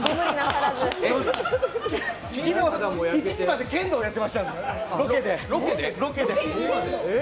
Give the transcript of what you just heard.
昨日、１時まで剣道やってました、ロケで。